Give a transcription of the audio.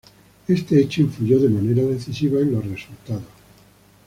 Este hecho influyó de manera decisiva en los resultados.